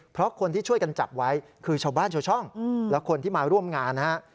เพราะคนที่ช่วยกันจับไว้คือชาวบ้านชาวช่องและคนที่มาร่วมงานนะฮะ